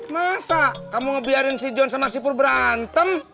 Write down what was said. masa kamu ngebiarin si john sama si pur berantem